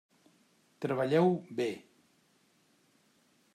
Treballeu-ho bé.